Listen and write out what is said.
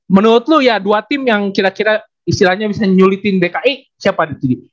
menurut lu ya dua tim yang kira kira istilahnya misalnya menyulitin dki siapa di sini